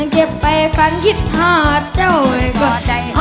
เก็บไปฟังฮิตฮอร์ดเจ้าไอ้กอดใด